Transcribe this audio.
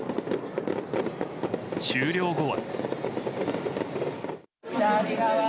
終了後は。